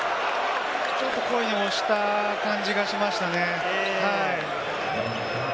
ちょっと故意に押した感じがしましたね。